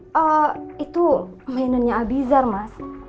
hmm itu mainannya abizar mas